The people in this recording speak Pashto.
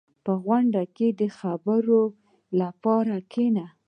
• په غونډه کې د خبرو لپاره کښېنه.